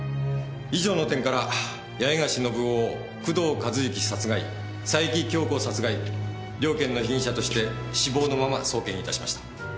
以上の点から八重樫信夫を工藤和幸殺害佐伯杏子殺害両件の被疑者として死亡のまま送検致しました。